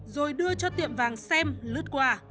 rồi đưa cho tiệm vàng xem lướt qua